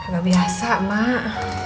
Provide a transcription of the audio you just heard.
gak biasa mak